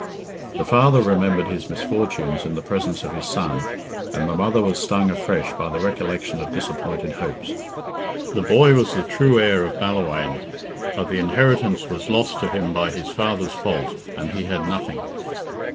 The father remembered his misfortunes in the presence of his son, and the mother was stung afresh by the recollection of disappointed hopes. The boy was the true heir of Ballawhaine, but the inheritance was lost to him by his father's fault and he had nothing.